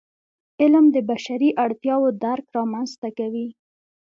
علم د بشري اړتیاوو درک رامنځته کوي.